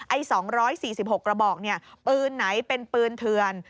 ไอ้๒๔๖กระบอกปืนไหนเป็นปืนเถือน